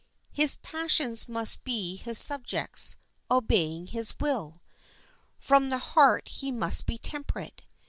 His passions must be his subjects obeying his will. From the heart he must be temperate.